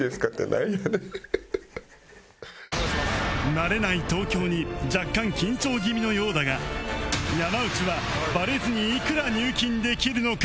慣れない東京に若干緊張気味のようだが山内はバレずにいくら入金できるのか？